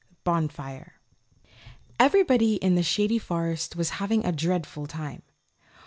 THE BONFIRE EVERYBODY in the Shady Forest was having a dreadful time.